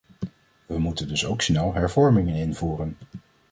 We moeten dus ook snel hervormingen invoeren.